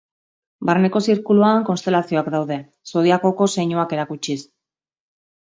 Barneko zirkuluan, konstelazioak daude, zodiakoko zeinuak erakutsiz.